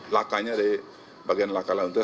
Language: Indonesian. lakanya dari bagian laka lontas